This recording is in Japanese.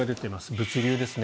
物流ですね。